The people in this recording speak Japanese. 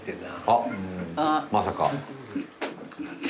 あっまさか。